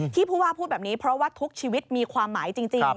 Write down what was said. ผู้ว่าพูดแบบนี้เพราะว่าทุกชีวิตมีความหมายจริง